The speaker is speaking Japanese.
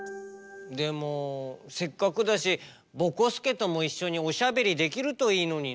でもせっかくだしぼこすけともいっしょにおしゃべりできるといいのにな。